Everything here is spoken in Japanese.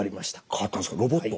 変わったんですかロボット。